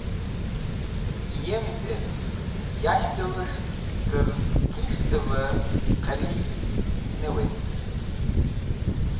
Yemzel, yashtves̃h trẽ kis̃ht’v-e qarib ne wezde.